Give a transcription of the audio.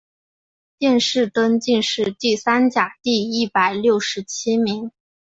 殿试登进士第三甲第一百六十七名。